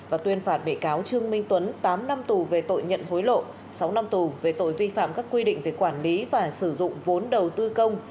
và tuyên phạt bị cáo trương minh tuấn tám năm tù về tội nhận hối lộ sáu năm tù về tội vi phạm các quy định về quản lý và sử dụng vốn đầu tư công